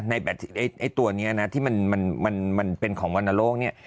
ไอ้ตัวนี้นะที่มันเป็นของวรรณโรคเนี่ย